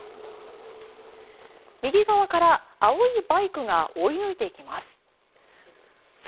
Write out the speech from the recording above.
右側から青いバイクが追い抜いていきます。